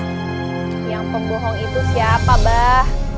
yang pebohong itu siapa abah